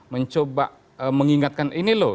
mencoba mengingatkan ini loh